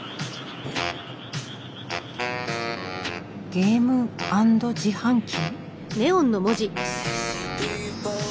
「ゲーム＆自販機」？